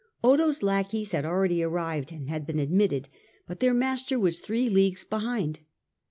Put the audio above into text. Otho's lackeys had already arrived and been admitted, but their master was three leagues behind.